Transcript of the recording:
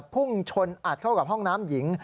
พุ่งชนอัดเข้ากับห้องน้ำหญิง